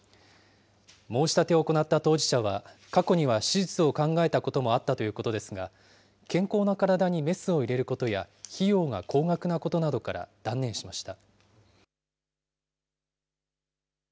申し立てを行った当事者は、過去には手術を考えたこともあったということですが、健康な体にメスを入れることや費用が高額なことなどから断念しました。